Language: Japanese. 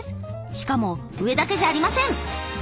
しかも上だけじゃありません。